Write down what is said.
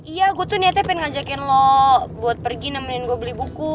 iya gue tuh niatnya pengen ngajakin lo buat pergi nemenin gue beli buku